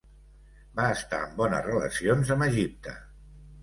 Va estar en bones relacions amb Egipte.